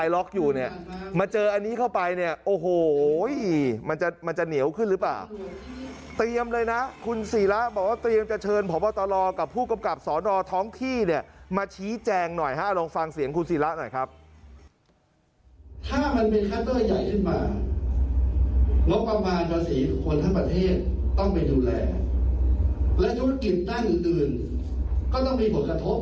และธุรกิจตั้งอยู่อื่นก็ต้องมีผลกระทบ